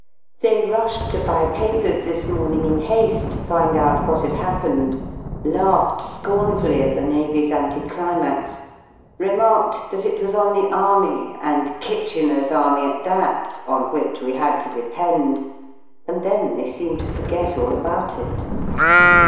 They rushed to buy papers this morning in ha^e to find out what had happened, laughed scornfully at the Navy's anti climax, remarked that it was on the Army, and Kitchener's Army 37 at that, on which we had to depend: and then they seemed to forget all about it.